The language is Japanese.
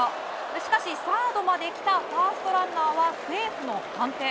しかし、サードまで来たファーストランナーはセーフの判定。